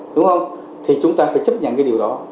đúng không thì chúng ta phải chấp nhận cái điều đó